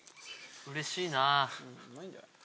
うれしいなぁ。